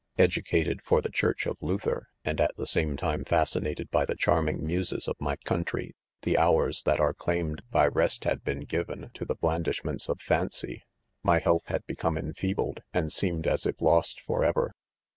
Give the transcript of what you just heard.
• Educated for the church of Luther^ and at the same time fascinated by the charming mu ses o'fmy country, the hours that are claimed hy rest, s had given to the blandishments of Fancy. . My health had become enfeebled, and seemed as if lost forever.